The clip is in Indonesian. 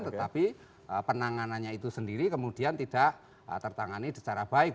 tetapi penanganannya itu sendiri kemudian tidak tertangani secara baik